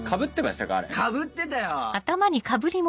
かぶってたよ！